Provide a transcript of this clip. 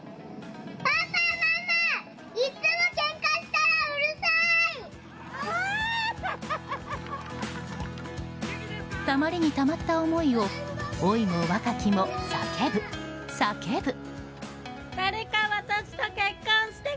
たまりにたまった思いを老いも若きも叫ぶ、叫ぶ。